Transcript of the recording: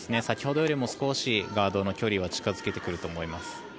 先ほどよりも少しガードの距離は近付けてくると思います。